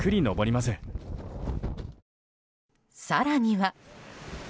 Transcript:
更には。